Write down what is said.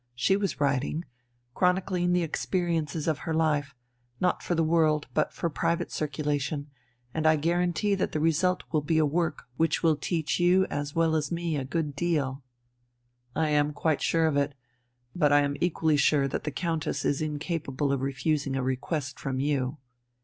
She was writing chronicling the experiences of her life, not for the world, but for private circulation, and I guarantee that the result will be a work which will teach you as well as me a good deal." "I am quite sure of it. But I am equally sure that the Countess is incapable of refusing a request from you."